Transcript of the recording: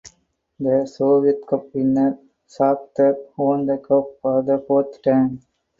The Soviet Cup winner Shakhter won the cup for the fourth time.